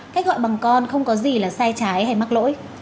cách gọi bằng con không có gì là sai trái hay mắc lỗi